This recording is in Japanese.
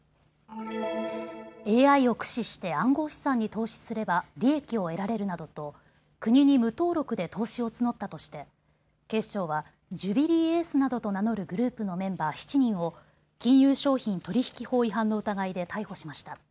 ＡＩを駆使して暗号資産に投資すれば利益を得られるなどと国に無登録で投資を募ったとして警視庁はジュビリーエースなどと名乗るグループのメンバー７人を金融商品取引法違反の疑いで逮捕しました。